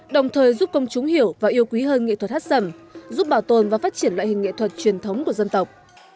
đồng thời giúp công chúng hiểu và yêu quý hơn nghệ thuật hát sầm giúp bảo tồn và phát triển loại hình nghệ thuật truyền thống của dân tộc